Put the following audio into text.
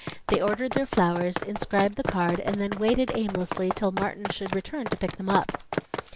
They ordered their flowers, inscribed the card, and then waited aimlessly till Martin should return to pick them up.